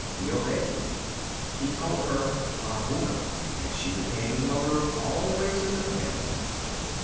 He obeyed. He called her Bahouna, and she became the mother of all races of men.